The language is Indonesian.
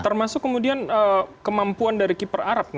termasuk kemudian kemampuan dari keeper arab